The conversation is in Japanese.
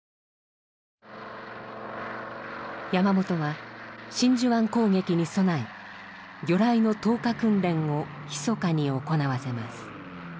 山本は真珠湾攻撃に備え魚雷の投下訓練をひそかに行わせます。